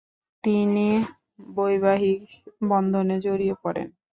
তিনি বৈবাহিক বন্ধনে জড়িয়ে পড়েন।